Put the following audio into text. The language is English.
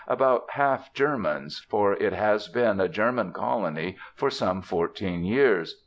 About half Germans, for it has been a German colony for some fourteen years.